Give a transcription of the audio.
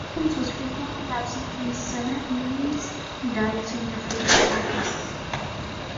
Tompkins was frequently absent from Senate meetings and died soon after leaving office.